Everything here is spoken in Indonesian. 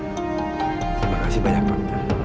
terima kasih banyak pak